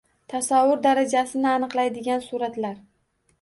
Tasavvur darajasini aniqlaydigan suratlar